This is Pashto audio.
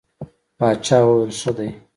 باچا وویل ښه دی.